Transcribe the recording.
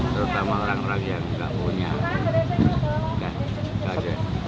terutama orang orang yang nggak punya